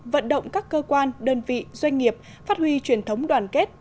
vận động các cơ quan đơn vị doanh nghiệp phát huy truyền thống đoàn kết